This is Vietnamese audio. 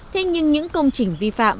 thế nhưng những công trình vi phạm